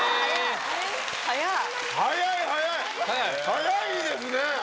早いですね！